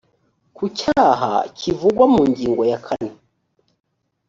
ku cyaha kivugwa mu ngingo ya kane